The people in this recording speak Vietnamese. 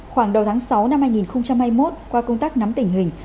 khoảng đầu tháng sáu năm hai nghìn hai mươi một qua công tác nắm tình hình